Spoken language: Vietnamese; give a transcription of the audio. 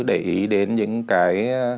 để ý đến những cái